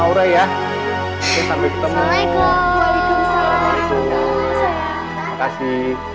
aurea ya sampai ketemu lagi